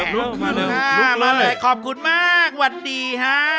ลุกมามาเลยขอบคุณมากวัดดีฮะ